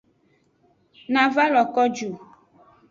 Na va lo ko ju.